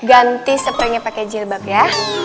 ganti sepringnya pakai jilbab ya